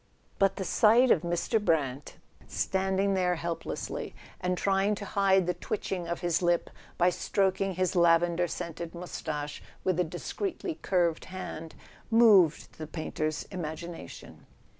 But the sight of Mr. Brant, standing there helplessly, and trying to hide the twitching of his lip by stroking his lavender scented moustache with a discreetly curved hand, moved the painter's imagination.